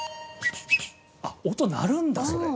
あっ音鳴るんだそれ。